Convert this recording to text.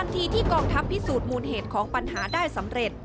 ทีที่กองทัพพิสูจน์มูลเหตุของปัญหาได้สำเร็จ